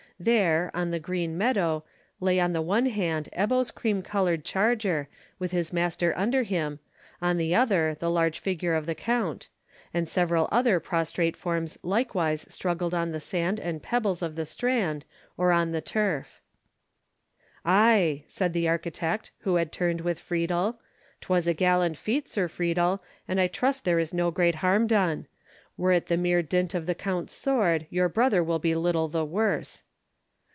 There, on the green meadow, lay on the one hand Ebbo's cream coloured charger, with his master under him, on the other the large figure of the count; and several other prostrate forms likewise struggled on the sand and pebbles of the strand, or on the turf. "Ay," said the architect, who had turned with Friedel, "'twas a gallant feat, Sir Friedel, and I trust there is no great harm done. Were it the mere dint of the count's sword, your brother will be little the worse."